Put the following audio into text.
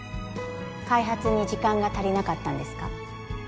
開発に時間が足りなかったんですか？